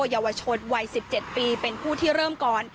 เยาวชนวัย๑๗ปีเป็นผู้ที่เริ่มก่อน